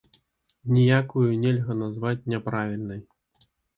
Ніякую нельга назваць няправільнай.